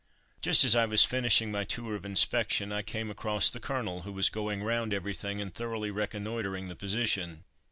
Just as I was finishing my tour of inspection I came across the Colonel, who was going round everything, and thoroughly reconnoitring the position.